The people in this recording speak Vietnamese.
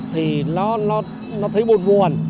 thì nó thấy buồn buồn